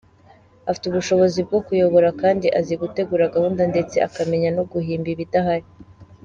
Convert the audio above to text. Afite ubushobozi bwo kuyobora kandi azi gutegura gahunda ndetse akamenya no guhimba ibidahari.